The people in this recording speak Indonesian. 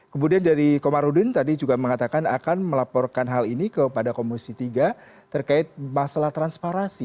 kemudian dari komarudin tadi juga mengatakan akan melaporkan hal ini kepada komisi tiga terkait masalah transparansi